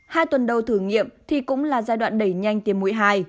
hai tuần đầu thử nghiệm thì cũng là giai đoạn đẩy nhanh tiêm mũi hai